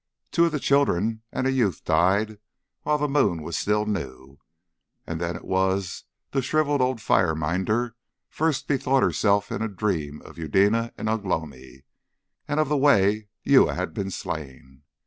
Two of the children and a youth died while the moon was still new, and then it was the shrivelled old fire minder first bethought herself in a dream of Eudena and Ugh lomi, and of the way Uya had been slain.